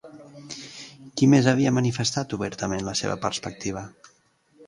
Qui més havia manifestat obertament la seva perspectiva?